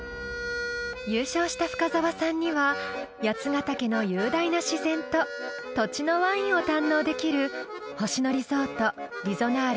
［優勝した深澤さんには八ヶ岳の雄大な自然と土地のワインを堪能できる星野リゾートリゾナーレ